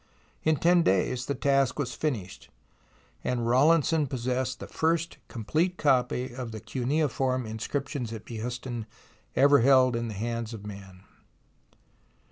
In ten days the task was finished, and Rawlinson possessed the first complete copy of the cuneiform inscriptions at Behistun ever held in the hands of man.